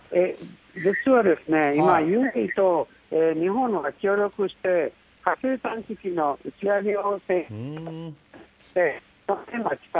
実はですね、今、ＵＡＥと日本が協力して、火星探知機の打ち上げを。